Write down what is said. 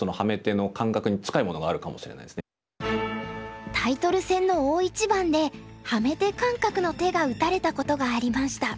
それはちょっとタイトル戦の大一番でハメ手感覚の手が打たれたことがありました。